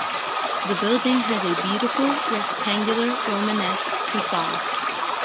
The building has a beautiful rectangular Romanesque facade.